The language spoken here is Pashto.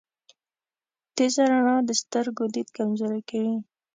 تیزه رڼا د سترګو لید کمزوری کوی.